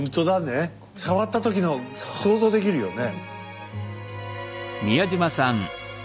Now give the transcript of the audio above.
触った時の想像できるよね。